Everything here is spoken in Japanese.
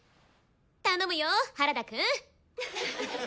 頼むよ原田くん！